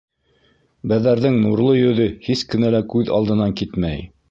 Бәҙәрҙең нурлы йөҙө һис кенә лә күҙ алдынан китмәй.